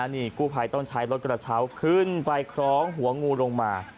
นี่กู้ภัยต้องใช้รถกระเช้าขึ้นไปคล้องหัวงูลงมา